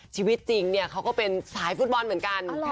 ชีวิตจริงเนี่ยเขาก็เป็นสายฟุตบอลเหมือนกัน